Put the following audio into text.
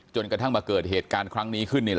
กระทั่งมาเกิดเหตุการณ์ครั้งนี้ขึ้น